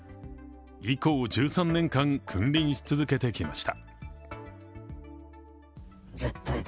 以降１３年間、君臨し続けてきました。